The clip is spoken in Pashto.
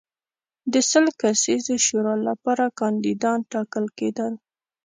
د سل کسیزې شورا لپاره کاندیدان ټاکل کېدل.